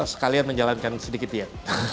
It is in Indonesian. sekalian menjalankan sedikit ya